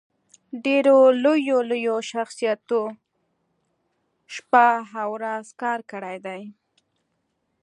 ډېرو لويو لويو شخصياتو شپه او ورځ کار کړی دی